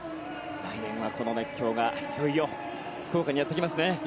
来年はこの熱狂がいよいよ福岡にやってきますね。